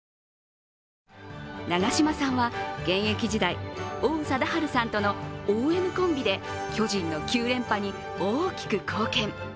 長嶋さんは現役時代、王貞治さんとのＯＮコンビで巨人の９連覇に大きく貢献。